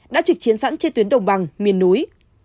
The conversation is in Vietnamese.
đã trực chiến sẵn trên tuyến đồng bằng miền núi